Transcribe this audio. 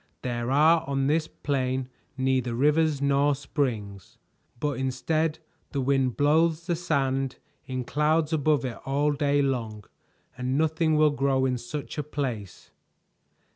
There are on this plain neither rivers nor springs, but instead the wind blows the sand in clouds above it all day long, and nothing will grow in such a place.